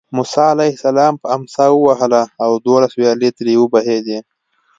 موسی علیه السلام په امسا ووهله او دولس ویالې ترې وبهېدې.